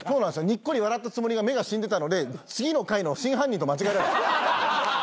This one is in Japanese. ニッコリ笑ったつもりが目が死んでたので次の回の真犯人と間違えられた。